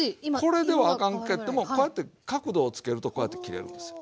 これではあかんけどもこうやって角度をつけるとこうやって切れるんですよ。